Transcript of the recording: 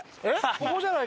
ここじゃない？